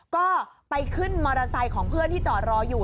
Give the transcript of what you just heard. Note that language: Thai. ก็ไปขึ้นมอเตอร์ไซค์ของเพื่อนที่จอดรออยู่